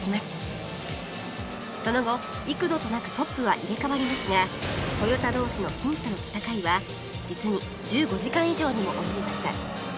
その後幾度となくトップは入れ替わりますがトヨタ同士の僅差の戦いは実に１５時間以上にも及びました